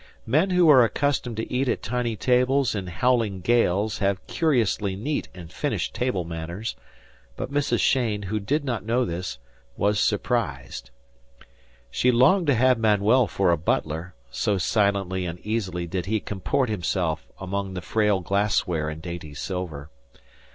Men who are accustomed to eat at tiny tables in howling gales have curiously neat and finished manners; but Mrs. Cheyne, who did not know this, was surprised. She longed to have Manuel for a butler; so silently and easily did he comport himself among the frail glassware and dainty silver.